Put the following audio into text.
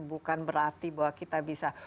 bukan berarti bahwa kita bisa